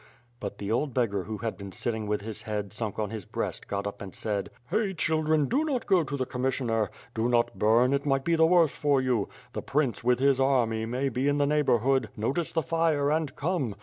But the old beggar who had been sitting with his head sunk on his breast, got up and said: "Hey, children, do not go to the Commissioner! Do not bum, it might be the worse for you. The prince with his army may be in the neighborhood, notice the fire, and come.